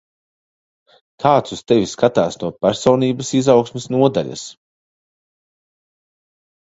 Kāds uz tevi skatās no personības izaugsmes nodaļas.